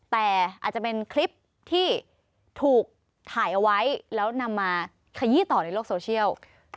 แต่อาจจะเป็นคลิปที่ถูกถ่ายเอาไว้แล้วนำมาขยี้ต่อในโลกโซเชียล